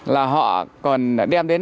là họ còn đem đến